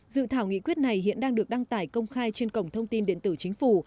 dự thảo nghị quyết này hiện đang được đăng tải công khai trên cổng thông tin điện tử chính phủ